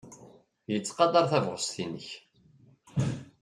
Yettqadar tabɣest-nnek.